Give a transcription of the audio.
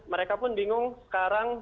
mereka pun bingung sekarang